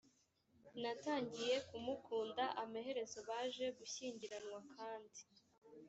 natangiye kumukunda amaherezo baje gushyingiranwa kandi